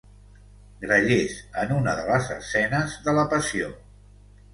Grallers en una de les escenes de la Passió.